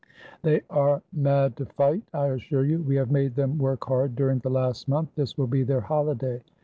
They are mad to fight, I assure you. We have made them work hard during the last month; this will be their holiday!"